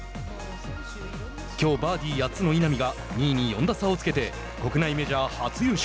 きょうバーディー８つの稲見が２位に４打差をつけて国内メジャー初優勝。